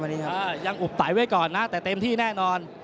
วันนี้ครับยังอบไตไว้ก่อนนะแต่เต็มที่แน่นอน